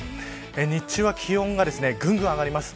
日中は気温がぐんぐん上がります。